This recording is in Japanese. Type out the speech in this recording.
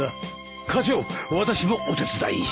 課長私もお手伝いします。